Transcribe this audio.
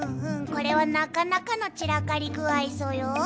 これはなかなかの散らかりぐあいソヨ。